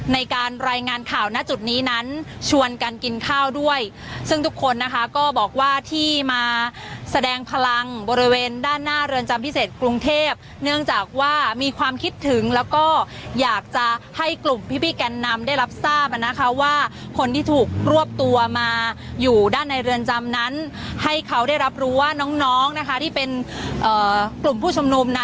ในการรายงานข่าวณจุดนี้นั้นชวนกันกินข้าวด้วยซึ่งทุกคนนะคะก็บอกว่าที่มาแสดงพลังบริเวณด้านหน้าเรือนจำพิเศษกรุงเทพเนื่องจากว่ามีความคิดถึงแล้วก็อยากจะให้กลุ่มพี่แกนนำได้รับทราบนะคะว่าคนที่ถูกรวบตัวมาอยู่ด้านในเรือนจำนั้นให้เขาได้รับรู้ว่าน้องน้องนะคะที่เป็นกลุ่มผู้ชุมนุมนะ